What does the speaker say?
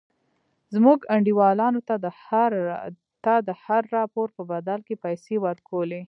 زموږ انډيوالانو هغه ته د هر راپور په بدل کښې پيسې ورکولې.